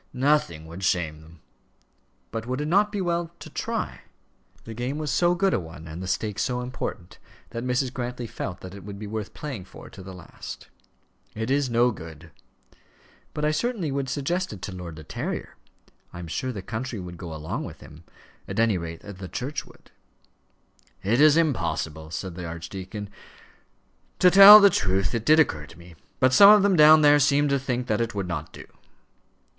"Nothing would shame them." "But would it not be well to try?" The game was so good a one, and the stake so important, that Mrs. Grantly felt that it would be worth playing for to the last. "It is no good." "But I certainly would suggest it to Lord De Terrier. I am sure the country would go along with him; at any rate the Church would." "It is impossible," said the archdeacon. "To tell the truth, it did occur to me. But some of them down there seemed to think that it would not do."